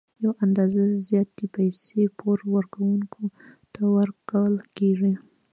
یوه اندازه زیاتې پیسې پور ورکوونکي ته ورکول کېږي